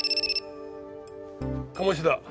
鴨志田。